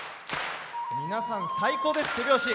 皆さん最高です手拍子！